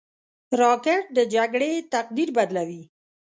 راکټ د جګړې تقدیر بدلوي